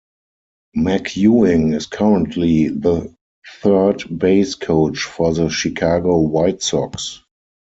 McEwing is currently the third base coach for the Chicago White Sox.